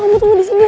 kamu tunggu disini